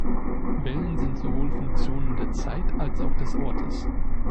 Wellen sind sowohl Funktionen der Zeit als auch des Ortes.